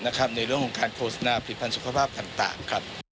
ในเรื่องของการโฆษณาผลิตภัณฑ์ต่างครับ